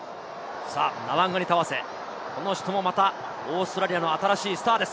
ナワンガニタワセ、この人もまたオーストラリアの新しいスターです。